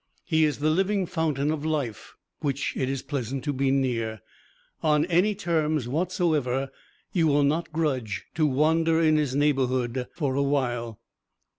He is the living fountain of life, which it is pleasant to be near. On any terms whatsoever you will not grudge to wander in his neighborhood for a while.